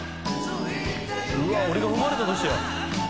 「うわっ俺が生まれた年や」